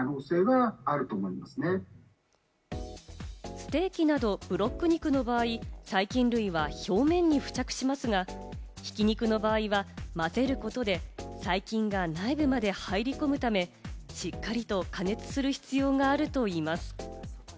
ステーキなどをブロック肉の場合、細菌類は表面に付着しますが、挽肉の場合は混ぜることで細菌が内部まで入り込むため、しっかりと加熱する必要があるといいます。